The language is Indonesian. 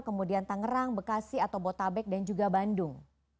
kemudian tangerang bekasi atau botabek dan juga bandung